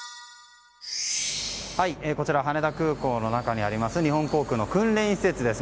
こちら、羽田空港の中にある日本航空の訓練施設です。